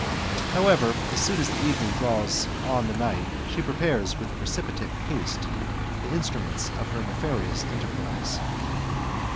However, as soon as the evening drew on the night, she prepares with precipitate haste the instruments' of hei" nefarious enterprise.